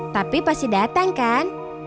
tapi pasti datang kan